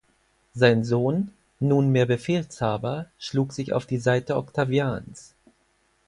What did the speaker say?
Sein Sohn, nunmehr Befehlshaber, schlug sich auf die Seite Octavians.